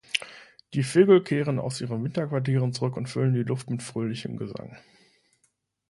Die Vögel kehren aus ihren Winterquartieren zurück und füllen die Luft mit fröhlichem Gesang.